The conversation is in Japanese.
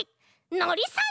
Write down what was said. のりさん？